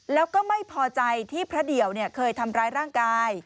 แล้วก็ไม่พอใจที่พระเดี่ยวเคยทำร้ายร่างกาย